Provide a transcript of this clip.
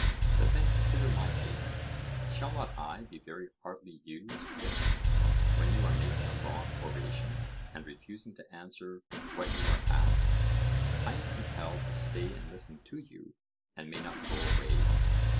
But then consider my case:—shall not I be very hardly used, if, when you are making a long oration, and refusing to answer what you are asked, I am compelled to stay and listen to you, and may not go away?